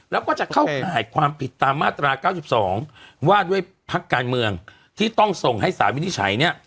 แล้วก็จะเข้าข่ายความผิดตามมาตรา๙๒ว่าด้วยพักการเมืองที่ต้องส่งให้สารวินิจฉัยเนี่ย